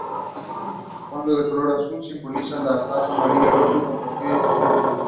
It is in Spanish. El fondo de color azul, simboliza la paz Amarillo y Rojo, compartir y Sacrificio.